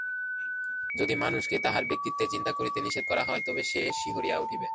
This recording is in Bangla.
যদি মানুষকে তাহার ব্যক্তিত্বের চিন্তা করিতে নিষেধ করা হয়, তবে সে শিহরিয়া উঠে।